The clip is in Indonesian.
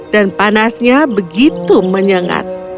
dan panasnya begitu menyengat